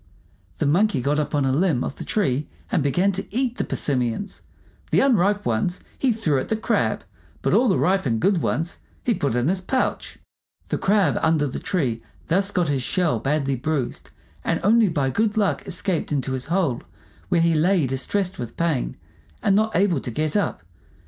The Monkey got up on a limb of the tree and began to eat the persimmons. The unripe ones he threw at the Crab, but all the ripe and good ones he put in his pouch. The Crab under the tree thus got his shell badly bruised, and only by good luck escaped into his hole, where he lay distressed with pain, and not able to get up.